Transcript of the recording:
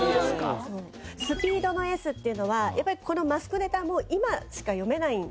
ＳＰＥＥＤの「Ｓ」っていうのはやっぱりこのマスクネタも今しか詠めないんですね。